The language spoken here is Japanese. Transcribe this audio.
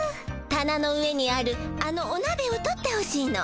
たなの上にあるあのおなべを取ってほしいの。